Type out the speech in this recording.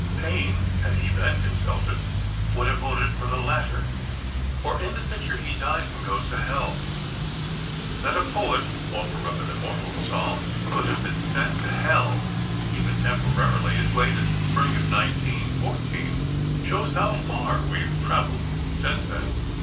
Payne, had he been consulted, would have voted for the latter, for in the picture, he dies and goes to Hell. That a poet, author of an immortal song, could have been sent to Hell, even temporarily, as late as the Spring of 1914, shows how far we have traveled since then.